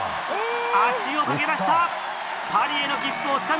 足をかけました！